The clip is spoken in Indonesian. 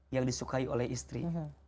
yang disukai oleh istri